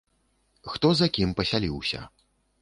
Хто за кім пасяліўся.